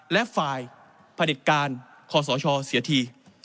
และฝ่ายผลิตการคอสชเสียที